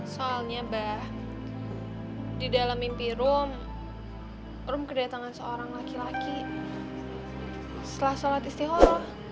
soalnya bah di dalam mimpi rum rum kedatangan seorang laki laki setelah sholat istiqoroh